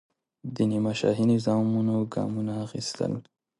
د نیمه شاهي نظامونو ګامونه اخیستل.